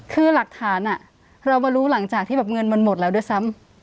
คือหลักฐานเรามารู้หลังจากที่แบบเงินมันหมดแล้วด้วยซ้ำ